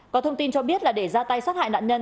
có thông tin cho biết là để ra tay sát hại nạn nhân